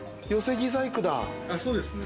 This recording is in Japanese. そうですね。